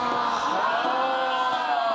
はあ。